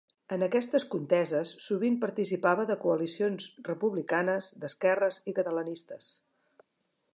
En aquestes conteses sovint participava de coalicions republicanes, d'esquerres i catalanistes.